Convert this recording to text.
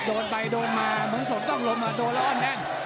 โดนไปโดนมาเมืองสดต้องล้มโดนแล้วอ้อนแน่น